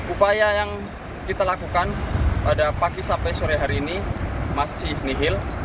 upaya yang kita lakukan pada pagi sampai sore hari ini masih nihil